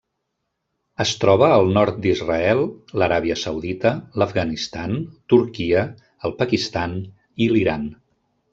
Es troba al nord d'Israel, l'Aràbia Saudita, l'Afganistan, Turquia, el Pakistan i l'Iran.